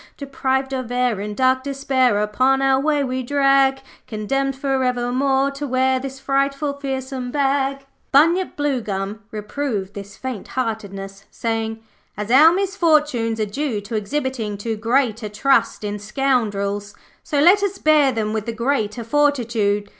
'Deprived of air, in dark despair Upon our way we drag; Condemned for evermore to wear This frightful, fearsome bag.' Bunyip Bluegum reproved this faint heartedness, saying, 'As our misfortunes are due to exhibiting too great a trust in scoundrels, so let us bear them with the greater fortitude.